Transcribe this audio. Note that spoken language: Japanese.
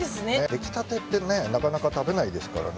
出来たてってねなかなか食べないですからね。